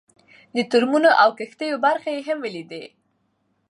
د ټرمونو او کښتیو برخې یې هم ولیدې.